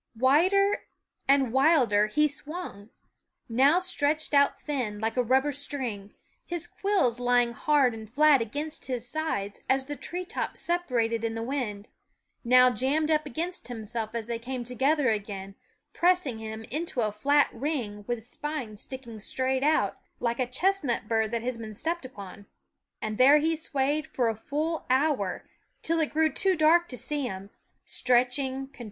Wider and wilder he swung, now stretched out thin, like a rubber string, his quills lying hard and flat against his sides as the tree tops separated in the wind ; now jammed up against himself as they came together again, pressing him into a flat ring with spines stick ing straight out, like a THE WOODS 9 chestnut bur that has been stepped upon. And there he swayed for a full hour, till it grew too dark to see him, stretching, con